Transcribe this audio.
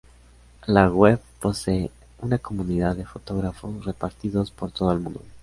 La web posee una comunidad de fotógrafos repartidos por todo el mundo.